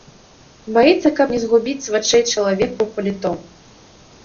Баіцца, каб не згубіць з вачэй чалавека ў паліто.